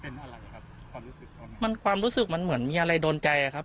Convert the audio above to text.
เป็นอะไรครับความรู้สึกตอนนั้นมันความรู้สึกมันเหมือนมีอะไรโดนใจอะครับ